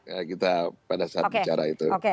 ya kita pada saat bicara itu